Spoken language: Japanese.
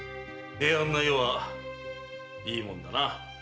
平安な世はいいものだな。